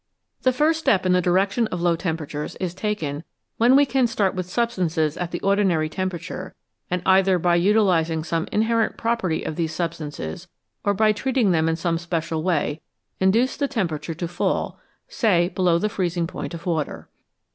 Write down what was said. The first step in the direction of low temperatures is taken when we can start with substances at the 180 BELOW ZERO ordinary temperature, and either by utilising some inherent property of these substances, or by treating them in some special way, induce the temperature to fall, say, below the freezing point of water.